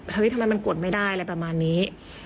ทำไมมันกดไม่ได้อะไรประมาณนี้